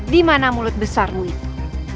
dimana mulut besarmu itu